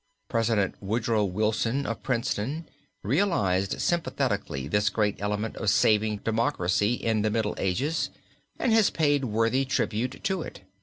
President Woodrow Wilson of Princeton realized sympathetically this great element of saving democracy in the Middle Ages, and has paid worthy tribute to it.